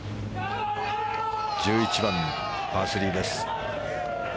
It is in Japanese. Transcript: １１番、パー３です。